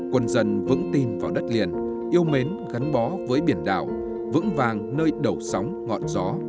quân dân vững tin vào đất liền yêu mến gắn bó với biển đảo vững vàng nơi đầu sóng ngọn gió